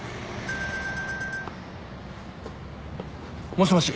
もしもし。